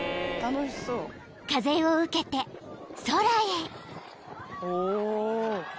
［風を受けて空へ］